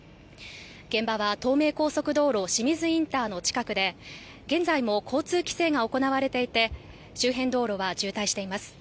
現場は東名高速道路清水インターの近くで、現在も交通規制が行われていて、周辺道路は渋滞しています。